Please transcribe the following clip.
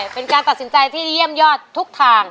เป็นการตัดสินใจที่เยี่ยมยอดทุกทาง